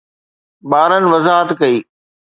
ٻارن وضاحت ڪئي